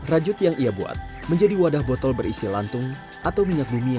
rajut yang ia buat menjadi wadah botol berisi lantung atau minyak bumi yang dibuat